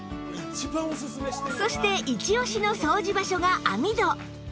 そしてイチオシの掃除場所が網戸